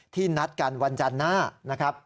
ที่นัดกันวันจันทร์หน้า